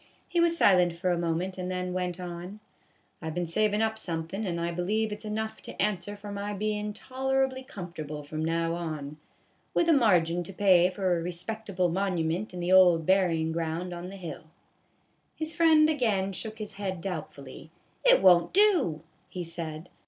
He was silent for a moment, and then went on : "I 've been savin' up somethin', and I believe it 's enough to answer for my bein' toler ably comfortable from now on, with a margin to pay for a respectable monument in the old buryin' ground on the hill." His friend again shook his head doubtfully. " It won't do," he said.